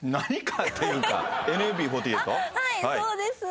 あっはいそうです。